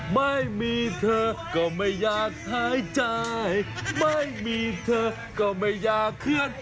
ไม่มีเธอก็ไม่อยากหายใจไม่มีเธอก็ไม่อยากเคลื่อน